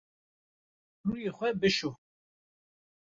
Rûyê xwe bişo.